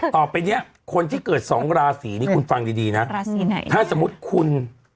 ต่อไปเนี่ยคนที่เกิดสองราศรีคุณฟังดีนะถ้าสมมติคุณ